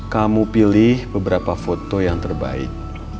kamu pilih beberapa foto yang terbaik